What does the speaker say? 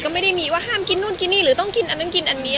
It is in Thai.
ก็ไม่ได้มีว่าห้ามกินนู่นกินนี่หรือต้องกินอันนั้นกินอันนี้